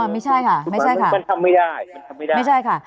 ไม่ใช่ค่ะมันทำไม่ได้